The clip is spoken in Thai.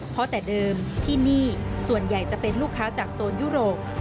เพราะแต่เดิมที่นี่ส่วนใหญ่จะเป็นลูกค้าจากโซนยุโรป